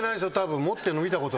持ってるの見たことないです。